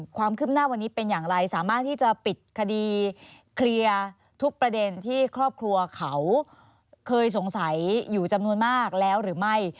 ความคืบหน้าวันนี้เป็นอย่างไรสามารถที่จะปิดคดีเคลียร์ทุกประเด็นที่ครอบครัวเขาเคยสงสัยอยู่จำนวนมากแล้วหรือไม่